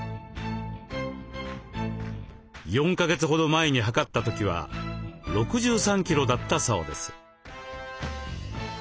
４か月ほど前に量った時は６３キロだったそうです。